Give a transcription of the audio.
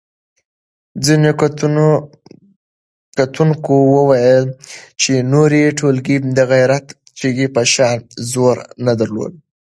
ځینو کتونکو وویل چې نورې ټولګې د غیرت چغې په شان زور نه درلود.